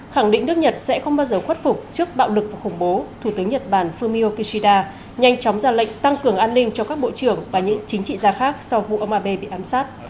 khẳng định nước nhật sẽ không bao giờ khuất phục trước bạo lực và khủng bố thủ tướng nhật bản fumio kishida nhanh chóng ra lệnh tăng cường an ninh cho các bộ trưởng và những chính trị gia khác sau vụ ông abe bị ám sát